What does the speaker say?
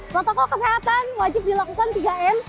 protokol kesehatan wajib dilakukan tiga m